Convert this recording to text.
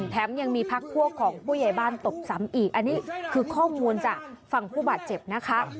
แถมยังมีพักพวกของผู้ใหญ่บ้านตบซ้ำอีกอันนี้คือข้อมูลจากฝั่งผู้บาดเจ็บนะคะ